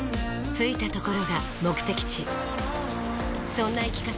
着いたところが目的地そんな生き方